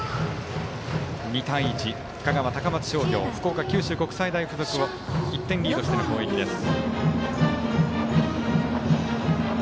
２対１、香川、高松商業福岡、九州国際大付属を１点リードしての攻撃です。